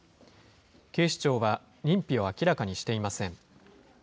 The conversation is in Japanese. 警視庁は認否を明らかにしていません。